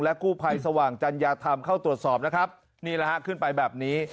กู้ภัยสว่างจัญญาธรรมเข้าตรวจสอบนะครับนี่แหละฮะขึ้นไปแบบนี้